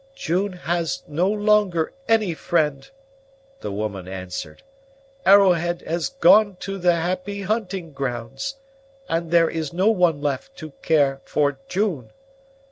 "June has no longer any friend!" the woman answered. "Arrowhead has gone to the happy hunting grounds, and there is no one left to care for June.